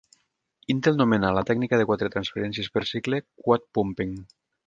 Intel nomena a la tècnica de quatre transferències per cicle "Quad Pumping".